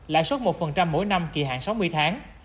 lãi suất một mỗi năm kỳ hạn sáu mươi tháng